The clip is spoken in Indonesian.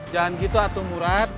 jangan gitu atu murad